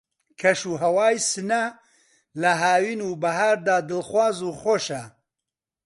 کەش و ھەوای سنە لە ھاوین و بەھار دا دڵخواز و خۆشە